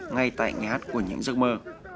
ngay tại nghe hát của những giấc mơ